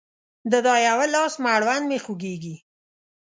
د دا يوه لاس مړوند مې خوږيږي